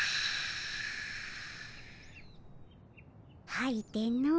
はいての。